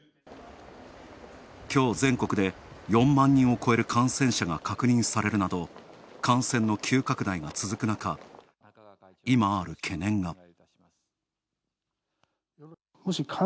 きょう全国で４万人を超える感染者が確認されるなど感染の急拡大が続くなか、今ある懸念が。